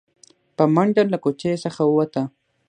په منډه له کوټې څخه ووته.